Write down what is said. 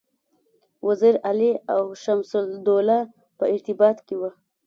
وزیر علي او شمس الدوله په ارتباط کې وه.